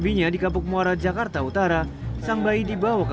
kini setelah itu ayah bayi tidak bisa menangani bayi